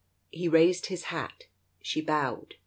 He raised his hat; she bowed.